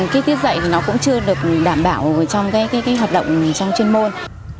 cái tiết dạy thì nó cũng chưa được đảm bảo trong cái hoạt động trong chuyên môn